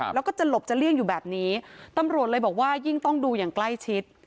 แล้วก็จะหลบจะเลี่ยงอยู่แบบนี้ตำรวจเลยบอกว่ายิ่งต้องดูอย่างใกล้ชิด